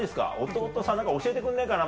弟さん教えてくんないかな。